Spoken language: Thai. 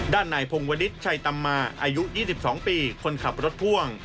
ด้านนายพงวดิษฐ์ชัยตำมาอายุ๒๒ปีคนขับรถพ่วง